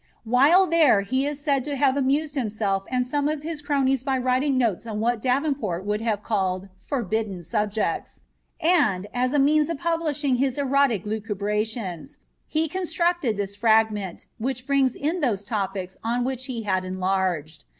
While there he is said to have amused himself and some of his cronies by writing notes on what Davenport would have called "Forbidden Subjects," and, as a means of publishing his erotic lucubrations, he constructed this fragment, which brings in those topics on which he had enlarged.